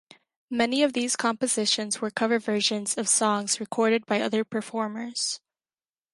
Many of these compositions were cover versions of songs recorded by other performers.